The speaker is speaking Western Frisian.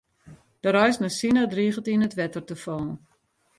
De reis nei Sina driget yn it wetter te fallen.